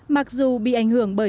mặc dù bị ảnh hưởng bởi